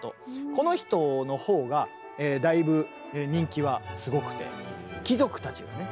この人のほうがだいぶ人気はすごくて貴族たちはね